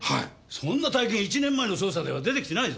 そんな大金１年前の捜査では出てきてないぞ。